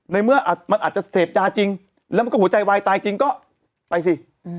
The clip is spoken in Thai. ในเมื่อมันอาจจะเสพยาจริงแล้วมันก็หัวใจวายตายจริงก็ไปสิ